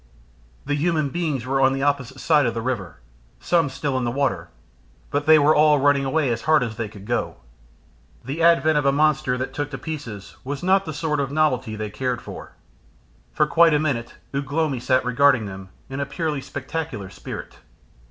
The human beings were on the opposite side of the river, some still in the water, but they were all running away as hard as they could go. The advent of a monster that took to pieces was not the sort of novelty they cared for. For quite a minute Ugh lomi sat regarding them in a purely spectacular spirit.